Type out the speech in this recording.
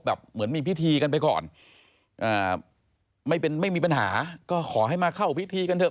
แบบเหมือนมีพิธีกันไปก่อนไม่มีปัญหาก็ขอให้มาเข้าพิธีกันเถอะ